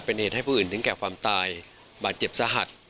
เป็นเหตุให้ผู้อื่นถึงแก่ความตายบาดเจ็บสาหัส